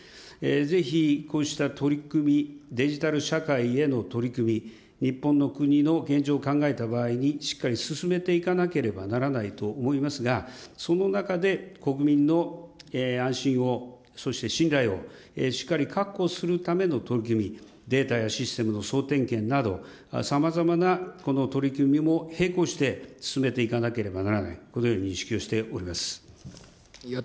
ぜひこうした取り組み、デジタル社会への取り組み、日本の国の現状を考えた場合にしっかり進めていかなければならないと思いますが、その中で、国民の安心を、そして信頼を、しっかり確保するための取り組み、データやシステムの総点検など、さまざまな取り組みも並行して、進めていかなければならない、このように認識をしております。